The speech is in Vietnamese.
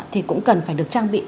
thì cũng cần phải được trang bị